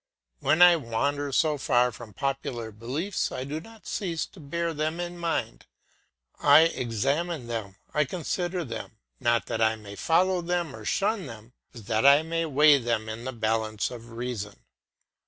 When I wander so far from popular beliefs I do not cease to bear them in mind; I examine them, I consider them, not that I may follow them or shun them, but that I may weigh them in the balance of reason.